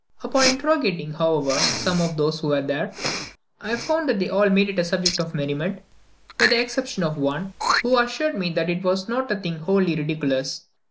Upon interrogating, however, some of those who were there, I found that they all made it a subject of merriment, with the exception of one, who assured me that it was not a thing wholly ridiculous.